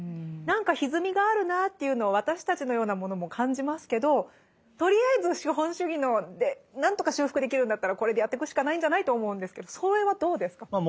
何かひずみがあるなっていうのを私たちのようなものも感じますけどとりあえず資本主義で何とか修復できるんだったらこれでやってくしかないんじゃない？と思うんですけどそれはどうですか？